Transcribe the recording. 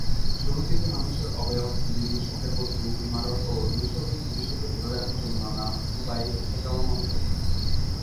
শুরুর দিকে মানুষের অবয়ব, বিভিন্ন শখের বস্তু, ইমারত ও নৈসর্গিক দৃশ্যকে ধরে রাখার জন্য নানা উপায়ে চেষ্টা চালানো হতো।